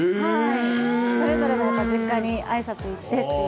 それぞれの実家にあいさつに行ってという。